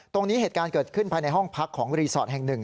เหตุการณ์เกิดขึ้นภายในห้องพักของรีสอร์ทแห่งหนึ่ง